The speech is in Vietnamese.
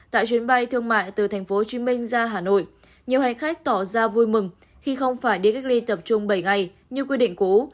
tại chuyến bay thương mại từ tp hcm ra hà nội nhiều hành khách tỏ ra vui mừng khi không phải đi cách ly tập trung bảy ngày như quy định cũ